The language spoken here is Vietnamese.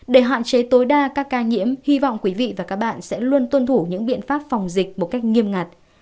để hạn chế tối đa các ca nhiễm hy vọng quý vị và các bạn sẽ luôn tuân thủ những biện pháp phòng dịch một cách nghiêm ngặt